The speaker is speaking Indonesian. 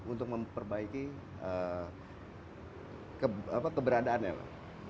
untuk memperbaiki keberadaannya